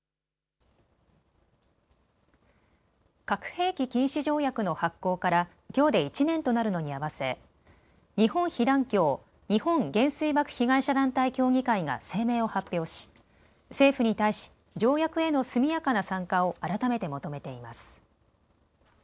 核兵器禁止条約の発効からきょうで１年となるのに合わせ日本被団協・日本原水爆被害者団体協議会が声明を発表し政府に対し条約への速やかな参加を改めて求めています。